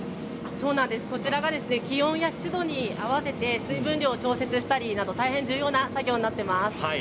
こちらは気温や湿度に合わせて水分量を調整したりとか大変重要な作業になっています。